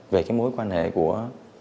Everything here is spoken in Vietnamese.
về cái mối quan hệ của